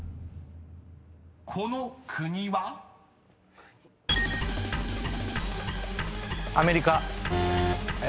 ［この国は？］アメリカ。